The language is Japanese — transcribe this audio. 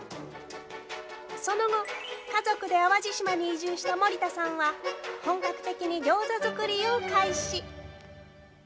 その後、家族で淡路島に移住した森田さんは、本格的に餃子作りを開始。